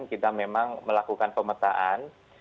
kita memang melakukan pemetaan